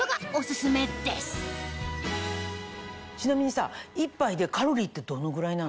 ちなみにさ１杯でカロリーってどのぐらいなの？